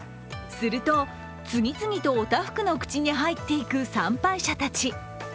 すると次々とお多福の口に入っていく参拝者たち。